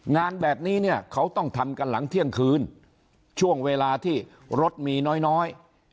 งานแบบนี้เนี่ยเขาต้องทำกันหลังเที่ยงคืนช่วงเวลาที่รถมีน้อยน้อย